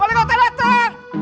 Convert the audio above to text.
wali kota datang